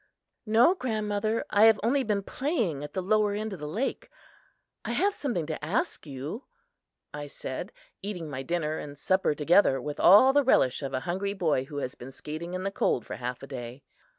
"No, grandmother, I have only been playing at the lower end of the lake. I have something to ask you," I said, eating my dinner and supper together with all the relish of a hungry boy who has been skating in the cold for half a day.